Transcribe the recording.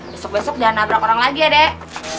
besok besok jangan nabrak orang lagi ya dek